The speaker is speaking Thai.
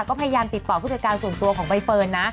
ก็พยายามติดต่อผู้จัดการส่วนตัวของใบเฟิร์นนะ